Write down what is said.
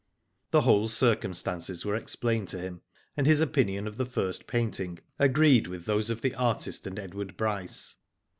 The whole circumstances were explained to him, and his opinion of the first painting agreed with those of the artist and Edward Bryce.